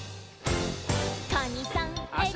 「カニさんエビさん」